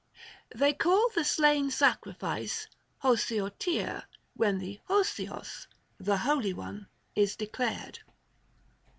They call the slain sacrifice Όσιωτηρ when the oavog {the holy one) is declared.